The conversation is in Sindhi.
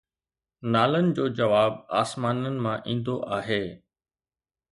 نالن جو جواب آسمانن مان ايندو آهي